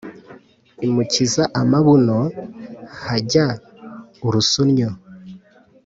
imukiza amabuno hajya urusunnyu